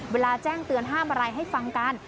แจ้งเตือนห้ามอะไรให้ฟังกัน